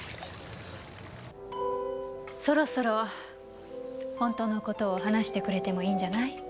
そろそろ本当のことを話してくれてもいいんじゃない？